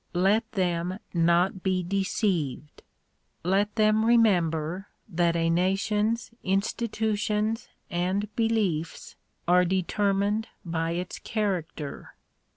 Let them not be deceived. Let them remember that a nation's institutions and beliefs are determined by its character.